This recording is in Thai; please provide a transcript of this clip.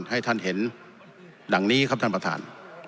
ให้ท่านเห็นดังนี้ครับท่านประธาน